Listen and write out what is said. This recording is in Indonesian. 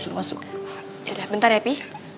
ya udah bentar ya pi